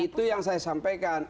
itu yang saya sampaikan